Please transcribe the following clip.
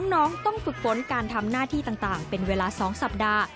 น้องต้องฝึกฝนการทำหน้าที่ต่างเป็นเวลา๒สัปดาห์